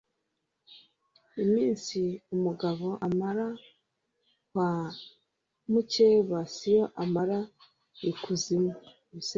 Iminsi umugabo amara kwa mukeba si yo amara ikuzimu